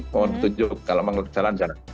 mohon ditunjuk kalau memang jalan jalan